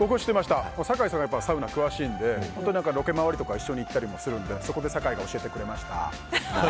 酒井さんがサウナ詳しいのでロケ回りとか一緒に行ったりするのでそこで酒井が教えてくれました。